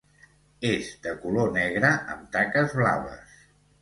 És de color negre amb taques blaves.